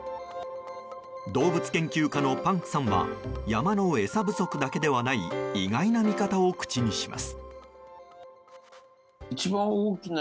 動物研究家のパンクさんは山の餌不足だけでない意外な見方を口にします。